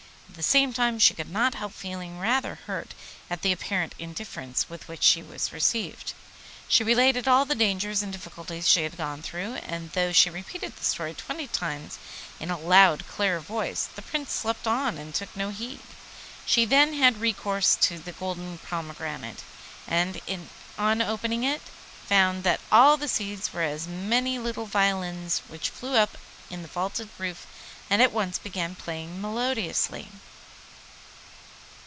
At the same time she could not help feeling rather hurt at the apparent indifference with which she was received. She related all the dangers and difficulties she had gone through, and though she repeated the story twenty times in a loud clear voice, the Prince slept on and took no heed. She then had recourse to the golden pomegranate, and on opening it found that all the seeds were as many little violins which flew up in the vaulted roof and at once began playing melodiously.